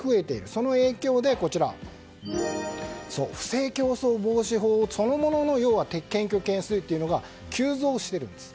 その影響で不正競争防止法そのものの検挙件数が急増しているんです。